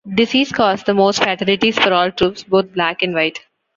Disease caused the most fatalities for all troops, both black and white.